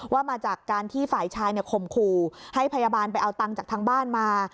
ว่ามาจากการที่ฝ่ายชายข่มขู่ให้พยาบาลไปเอาตังค์จากทางบ้านมา